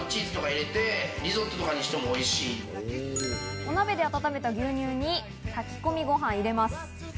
お鍋で温めた牛乳に炊き込みご飯を入れます。